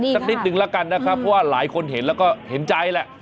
สักนิดนึงแล้วกันนะครับเพราะว่าหลายคนเห็นแล้วก็เห็นใจแหละ